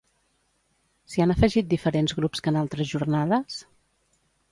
S'hi han afegit diferents grups que en altres jornades?